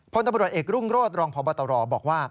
พลตำรวจเอกรุ่งโรธรองพบตรบอกว่า